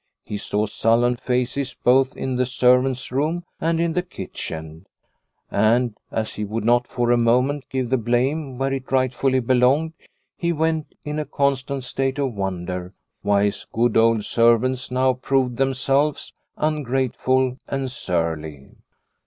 He saw sullen faces both in the servants' room and in the kitchen, and, as he would not for a moment give the blame where it rightfully belonged, he went in a constant state of wonder why his good old servants now proved them selved ungrateful and surly.